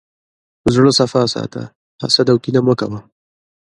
زړه صفا ساته، حسد او کینه مه کوه.